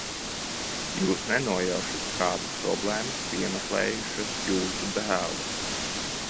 Jūs nenojaušat, kādas problēmas piemeklējušas jūsu dēlu!